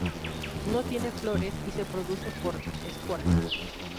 No tiene flores y se reproduce por esporas.